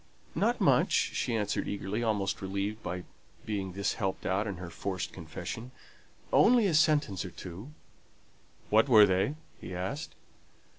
"Not much," she answered eagerly, almost relieved by being thus helped out in her forced confession. "Only a sentence or two." "What were they?" he asked.